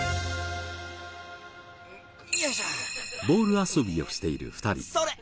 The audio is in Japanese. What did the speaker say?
ボール遊びをしている２人。